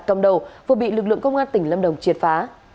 cầm đầu vừa bị lực lượng công an tỉnh lâm đồng triệt phá